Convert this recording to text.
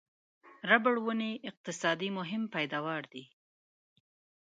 ربړ ونې یې اقتصادي مهم پیداوا دي.